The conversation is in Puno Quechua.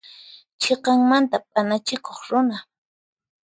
Chhiqaqmanta p'anachikuq runa.